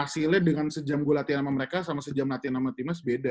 hasilnya dengan sejam gue latihan sama mereka sama sejam latihan sama timnas beda